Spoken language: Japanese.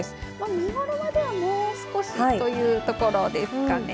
見頃まではもう少しというところですかね。